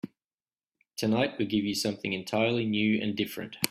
Tonight we give you something entirely new and different.